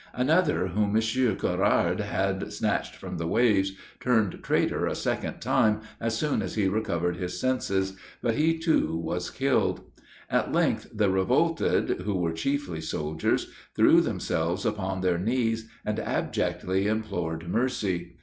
Another, whom M. Correard had snatched from the waves, turned traitor a second time, as soon as he recovered his senses; but he too was killed. At length the revolted, who were chiefly soldiers, threw themselves upon their knees, and abjectly implored mercy.